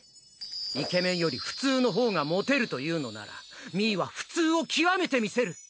イケメンより普通のほうがモテるというのならミーは普通を極めてみせる！